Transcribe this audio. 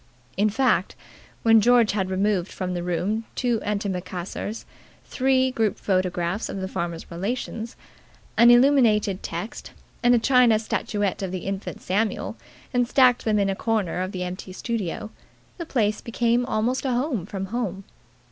In fact, when George had removed from the room two antimacassars, three group photographs of the farmer's relations, an illuminated text, and a china statuette of the Infant Samuel, and stacked them in a corner of the empty studio, the place became almost a home from home.